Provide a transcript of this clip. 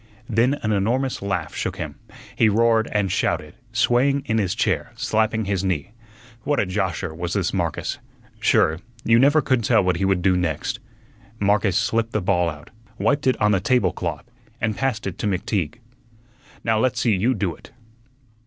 Then an enormous laugh shook him. He roared and shouted, swaying in his chair, slapping his knee. What a josher was this Marcus! Sure, you never could tell what he would do next. Marcus slipped the ball out, wiped it on the tablecloth, and passed it to McTeague. "Now let's see you do it."